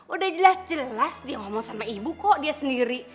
udah jelas jelas dia ngomong sama ibu kok dia sendiri